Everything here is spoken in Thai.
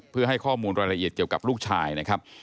เพื่อให้ข้อมูลรายละเอียดเกี่ยวกับลูกชายนะครับ